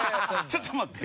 ちょっと待って。